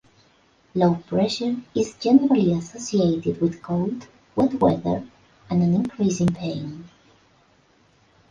Low pressure is generally associated with cold, wet weather and an increase in pain.